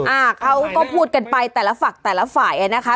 อ่าเขาก็พูดกันไปแต่ละฝั่งแต่ละฝ่ายอ่ะนะคะ